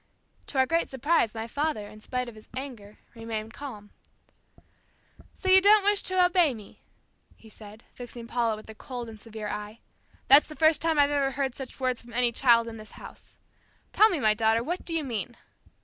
To our great surprise, my father, in spite of his anger, remained calm. "So you don't wish to obey me," he said, fixing Paula with a cold and severe eye. "That's the first time I've ever heard such words from any child in this house. Tell me, my daughter, what do you mean?"